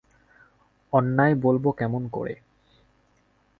অন্যায় বলব কেমন করে?